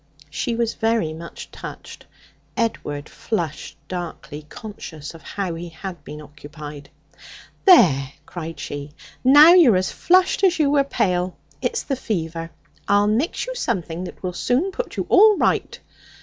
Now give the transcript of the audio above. She was very much touched. Edward flushed darkly, conscious of how he had been occupied. 'There!' cried she; 'now you're as flushed as you were pale. It's the fever. I'll mix you something that will soon put you all right.'